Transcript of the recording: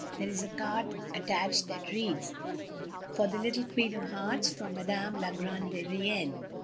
There is a card attached that reads, For the Little Queen of Hearts, FROM Madame La Grande Reine.